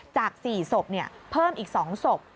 จาก๔ศพเพิ่มอีก๒ศพ